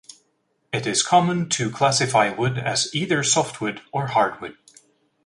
It is common to classify wood as either softwood or hardwood.